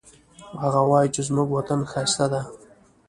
هغه وایي چې زموږ وطن ښایسته ده